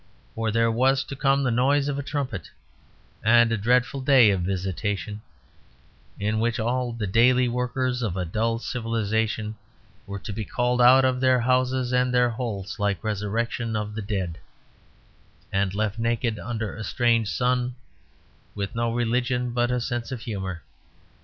For there was to come the noise of a trumpet and a dreadful day of visitation, in which all the daily workers of a dull civilization were to be called out of their houses and their holes like a resurrection of the dead, and left naked under a strange sun with no religion but a sense of humour.